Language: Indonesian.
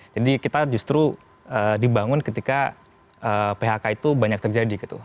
jadi kita justru dibangun ketika phk itu banyak terjadi gitu